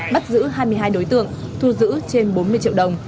bắt giữ hai mươi hai đối tượng thu giữ trên bốn mươi triệu đồng